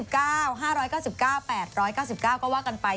๕๙๙บาท๘๙๙บาทก็ว่ากันไป